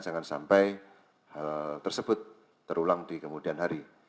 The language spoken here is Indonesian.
jangan sampai hal tersebut terulang di kemudian hari